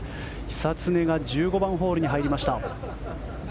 久常が１５番ホールに入りました。